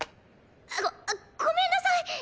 ごごめんなさい。